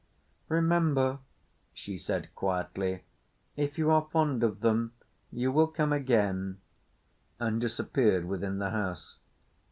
"Remember," she said quietly, "if you are fond of them you will come again," and disappeared within the house.